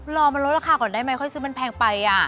รอมันลดราคาก่อนได้ไหมค่อยซื้อมันแพงไป